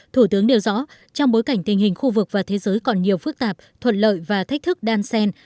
thủ tướng nêu rõ trong bối cảnh tình hình khu vực và thế giới còn nhiều phức tạp thuận lợi và thách thức đan sen